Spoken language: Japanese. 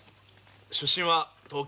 出身は東京。